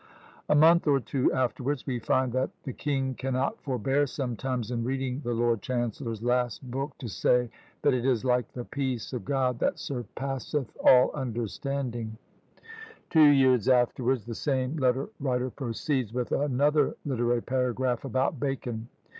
A month or two afterwards we find that "the king cannot forbear sometimes in reading the lord chancellor's last book to say, that it is like the peace of God, that surpasseth all understanding." Two years afterwards the same letter writer proceeds with another literary paragraph about Bacon.